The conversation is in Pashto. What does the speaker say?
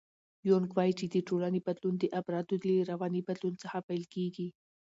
یونګ وایي چې د ټولنې بدلون د افرادو له رواني بدلون څخه پیل کېږي.